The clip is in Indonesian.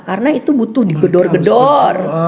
karena itu butuh digedor gedor